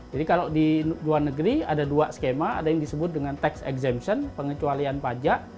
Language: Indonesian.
jadi kalau di luar negeri ada dua skema ada yang disebut dengan tax exemption pengecualian pajak